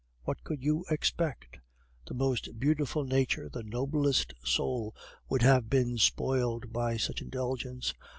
What could you expect? The most beautiful nature, the noblest soul, would have been spoiled by such indulgence.